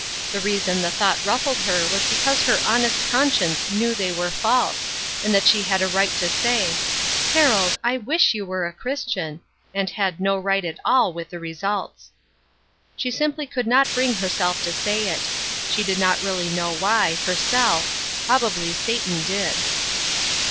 The reason the thought ruffled her was because her honest conscience knew they were false, and that she had a right to say, "Harold, I wish you were a Christian;" and had no right at all with the results. She simply could not bring herself to say it; she did not really know why, herself; probably Satan did.